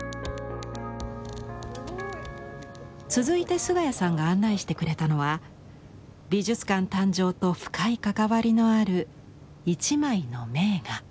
続いて菅谷さんが案内してくれたのは美術館誕生と深い関わりのある一枚の名画。